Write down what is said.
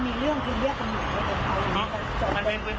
มันเป็นพื้นที่คุณหรือเปล่า